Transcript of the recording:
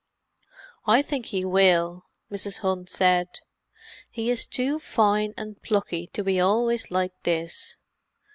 "I think he will," Mrs. Hunt said. "He is too fine and plucky to be always like this.